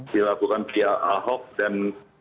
dilakukan via ahok dan